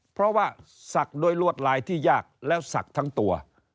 เพราะว่าศักดิ์ด้วยลวดลายที่ยากแล้วศักดิ์ทั้งตัว